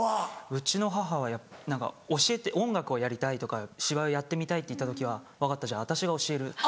うちの母は音楽をやりたいとか芝居をやってみたいって言った時は「分かったじゃ私が教える」って。